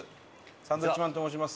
サンドウィッチマンと申します。